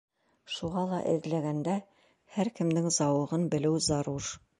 Шуға ла эҙләгәндә һәр кемдең зауығын белеү зарур.